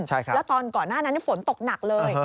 แล้วตอนก่อนหน้านั้นฝนตกหนักเลย